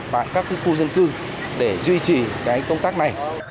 và các cái khu dân cư để duy trì cái công tác này